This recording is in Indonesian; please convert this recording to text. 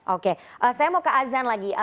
oke saya mau ke azan lagi